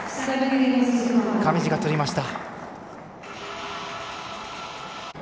上地が取りました。